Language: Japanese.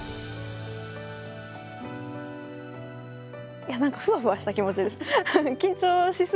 いや何かふわふわした気持ちです。